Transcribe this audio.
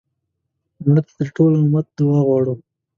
مړه ته د ټول امت دعا غواړو